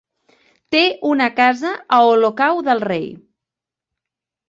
Té una casa a Olocau del Rei.